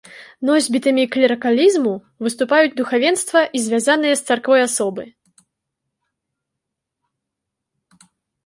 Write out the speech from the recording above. Носьбітамі клерыкалізму выступаюць духавенства і звязаныя з царквой асобы.